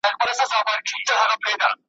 الحمدلله چي اهل الطاعة او اهل الدين يو.